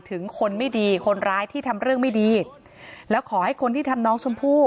ถึงคนไม่ดีคนร้ายที่ทำเรื่องไม่ดีแล้วขอให้คนที่ทำน้องชมพู่